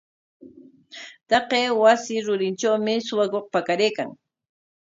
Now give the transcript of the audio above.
Taqay wasi rurintrawmi suwakuq pakaraykan.